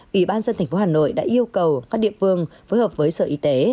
ủy ban dân thành phố hà nội đã yêu cầu các địa phương phối hợp với sở y tế